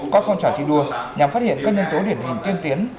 có phong trò thi đua nhằm phát hiện các nâng tố điển hình tiên tiến